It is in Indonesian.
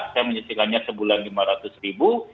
saya menyisikannya sebulan lima ratus ribu